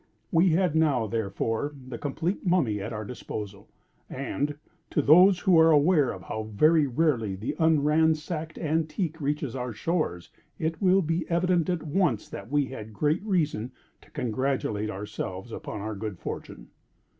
We had now, therefore, the complete Mummy at our disposal; and to those who are aware how very rarely the unransacked antique reaches our shores, it will be evident, at once that we had great reason to congratulate ourselves upon our good fortune.